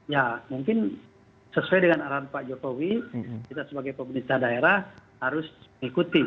ya mungkin sesuai dengan arahan pak jokowi kita sebagai pemerintah daerah harus mengikuti